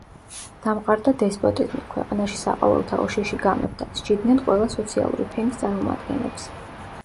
დამყარდა დესპოტიზმი, ქვეყანაში საყოველთაო შიში გამეფდა, სჯიდნენ ყველა სოციალური ფენის წარმომადგენლებს.